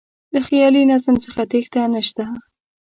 له خیالي نظم څخه تېښته نه شته.